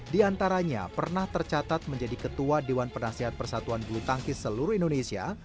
di antaranya pernah tercatat menjadi ketua dewan penasihat persatuan bulu tangkis seluruh indonesia